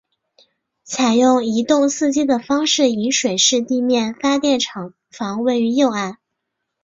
采用一洞四机的方式引水式地面发电厂房位于右岸。